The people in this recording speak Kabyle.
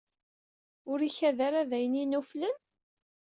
Ur k-d-ikad ara d ayen inuflen?